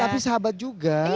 tapi sahabat juga